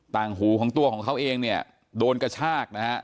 ต่างหูของตัวของเขาเองเนี่ยโดนกระชากนะฮะ